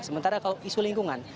sementara kalau isu lingkungan